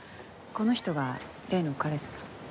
この人が例の彼氏さん？